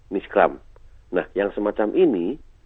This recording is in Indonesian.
nah yang semacam ini